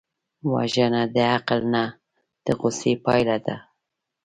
وژنه د عقل نه، د غصې پایله ده